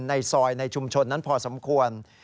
ในซอยในชุมชนนั้นพอสมควร